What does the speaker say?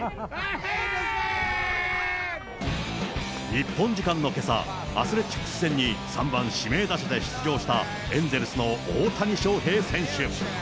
日本時間のけさ、アスレチックス戦に３番指名打者で出場した、エンゼルスの大谷翔平選手。